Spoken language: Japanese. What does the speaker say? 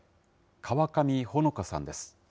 川上穂野香さんです。